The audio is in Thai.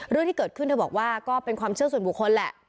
เรื่องที่เกิดขึ้นเธอบอกว่าก็เป็นความเชื่อส่วนบุคคลแหละ